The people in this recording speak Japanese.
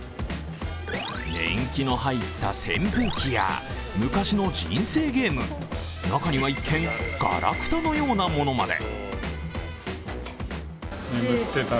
年季の入った扇風機や昔の人生ゲーム、中には一見、がらくたのようなものまで。